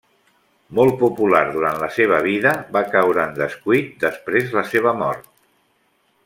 Molt popular durant la seva vida, va caure en descuit després la seva mort.